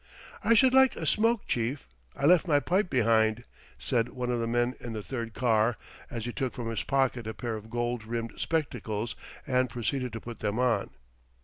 "I should like a smoke, chief. I left my pipe behind," said one of the men in the third car, as he took from his pocket a pair of gold rimmed spectacles and proceeded to put them on.